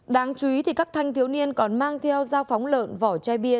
đáng chú ý các thanh thiếu niên còn mang theo dao phóng lợn vỏ chai bia